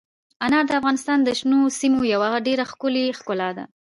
انار د افغانستان د شنو سیمو یوه ډېره ښکلې ښکلا ده.